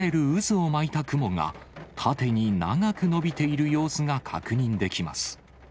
空から地上に向け、竜巻と見られる渦を巻いた雲が、縦に長く伸びている様子が確認できます。